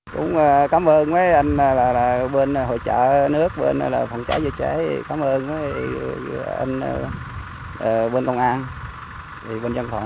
cũng cảm ơn với anh là bên hội trợ nước bên phòng trải dịch trễ cảm ơn với anh bên công an bên dân phòng